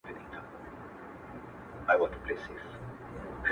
• دلته مستي ورانوي دلته خاموشي ورانوي،